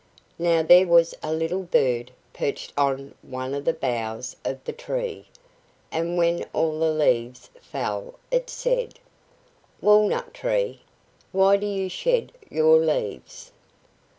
Now there was a little bird perched on one of the boughs of the tree, and when all the leaves fell, it said: "Walnut tree, why do you shed your leaves?"